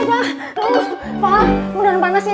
ah apaan mau dalam panas ya